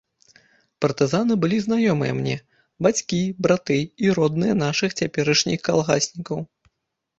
Партызаны былі знаёмыя мне, бацькі, браты і родныя нашых цяперашніх калгаснікаў.